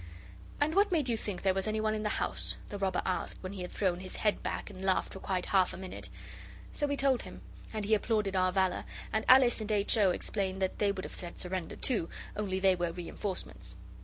'And what made you think there was any one in the house?' the robber asked, when he had thrown his head back, and laughed for quite half a minute. So we told him. And he applauded our valour, and Alice and H. O. explained that they would have said 'Surrender,' too, only they were reinforcements.